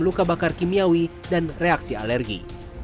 luka bakar kimiawi dan reaksi alergi